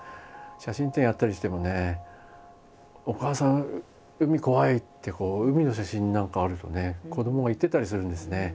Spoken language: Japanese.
写真展をやったりしてもね「お母さん海怖い」って海の写真なんかあるとね子どもが言ってたりするんですね。